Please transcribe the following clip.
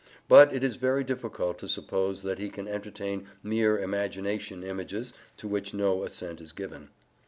But it is very difficult to suppose that he can entertain mere imagination images to which no assent is given.